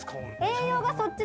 栄養がそっちに。